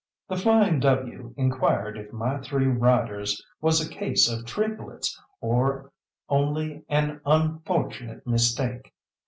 The Flying W. inquired if my three riders was a case of triplets, or only an unfortunate mistake.